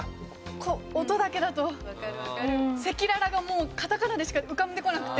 こう音だけだと「せきらら」がもうカタカナでしか浮かんでこなくて。